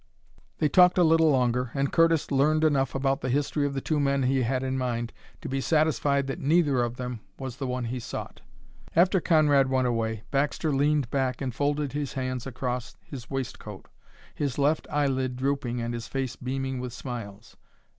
They talked a little longer, and Curtis learned enough about the history of the two men he had in mind to be satisfied that neither of them was the one he sought. After Conrad went away, Baxter leaned back and folded his hands across his waist coat, his left eyelid drooping and his face beaming with smiles.